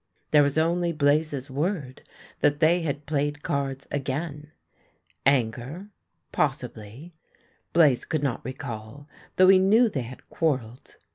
There was only Blaze's word that they had played cards again. Anger? Possibly. Blaze could not recall, though he knew they had quarrelled.